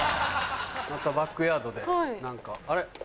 またバックヤードで何かあれ？